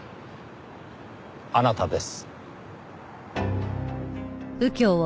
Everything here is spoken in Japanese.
あなたです。